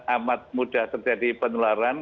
amat mudah terjadi penularan